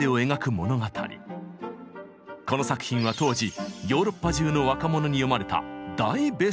この作品は当時ヨーロッパ中の若者に読まれた大ベストセラーでした。